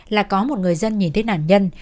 là có một người dân nhìn thấy nạn nhân